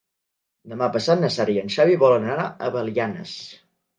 Demà passat na Sara i en Xavi volen anar a Belianes.